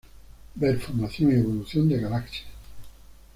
Ver formación y evolución de galaxias.